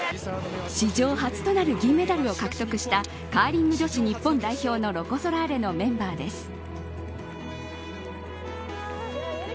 史上初となる銀メダルを獲得したカーリング女子日本代表のロコ・ソラーレのメンバーです。